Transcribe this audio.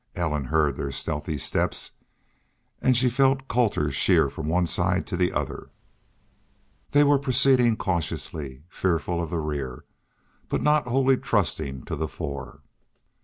Ellen heard their stealthy steps, and she felt Colter sheer from one side or the other. They were proceeding cautiously, fearful of the rear, but not wholly trusting to the fore.